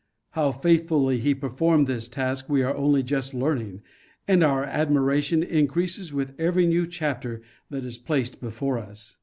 How faithfully he performed this task we are only just learning, and our admiration increases with every new chap ter that is placed before us.